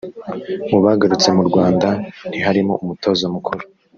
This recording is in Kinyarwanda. Mu bagarutse mu Rwanda ntiharimo umutoza mukuru